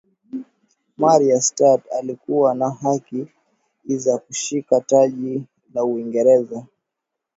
mary stuart alikuwa na haki za kushika taji la uingereza